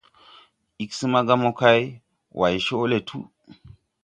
Ig smaga mokay way coʼ le tu.